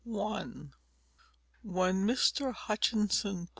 When Mr. Hutchinson.